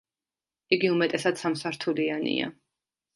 იგი უმეტესად სამსართულიანია.